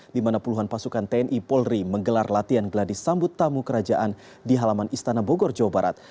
di mana puluhan pasukan tni polri menggelar latihan geladis sambut tamu kerajaan di halaman istana bogor jawa barat